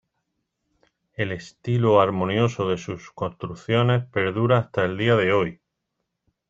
El estilo armonioso de sus construcciones perdura hasta el día de hoy.